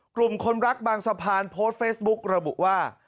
กลุ่มคนรักบางสะพานโพสต์เฟซบุ๊กระบุว่า